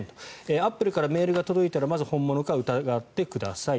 アップルからメールが届いたらまず本物か疑ってください。